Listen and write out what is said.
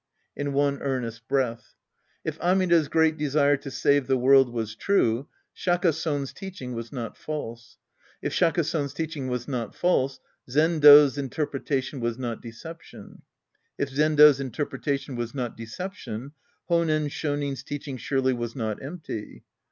(/« one earnest breath^ If Amida's great desire to save the world was true, Shaka Son's teaching was not false. If Shaka Son's teaching was not false, Zendo's interpretation was not deception. If Zend5's interpretation was not decep tion, Honen Shonin's teaching surely was not empty.